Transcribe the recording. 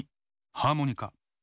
ハーモニカ。